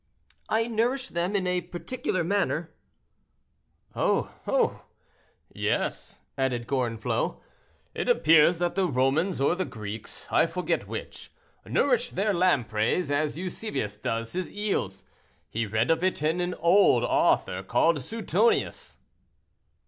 "I nourish them in a particular manner." "Oh, oh!" "Yes," added Gorenflot; "it appears that the Romans or the Greeks—I forget which—nourished their lampreys as Eusebius does his eels. He read of it in an old author called Suetonius."